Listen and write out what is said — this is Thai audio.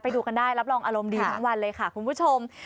ดูกันได้รับรองอารมณ์ดีทั้งวันเลยค่ะคุณผู้ชม